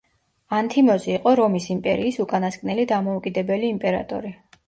ანთიმოზი იყო რომის იმპერიის უკანასკნელი დამოუკიდებელი იმპერატორი.